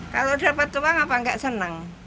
kalau dapat uang apa enggak senang